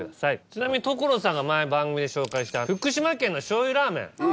ちなみに所さんが前番組で紹介した福島県の醤油ラーメン